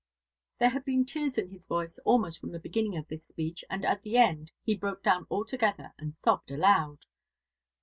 There had been tears in his voice almost from the beginning of his speech, and at the end he broke down altogether and sobbed aloud.